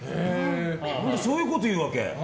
それで、そういうこと言うわけ。